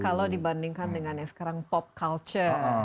kalau dibandingkan dengan yang sekarang pop culture